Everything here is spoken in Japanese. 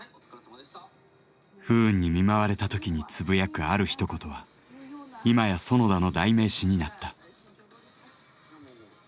不運に見舞われた時につぶやくあるひと言は今や園田の代名詞になった。